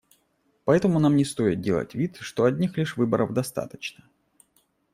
Поэтому нам не стоит делать вид, что одних лишь выборов достаточно.